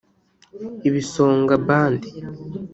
Ibisonga Band